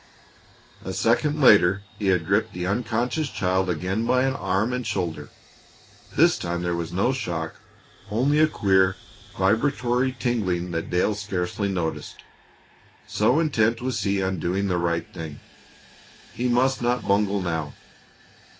A second later he had gripped the unconscious child again by an arm and shoulder. This time there was no shock, only a queer, vibratory tingling that Dale scarcely noticed, so intent was he on doing the right thing. He must not bungle now.